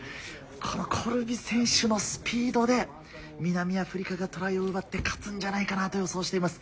このコルビ選手のスピードで、南アフリカがトライを奪って勝つんじゃないかなと予想しています。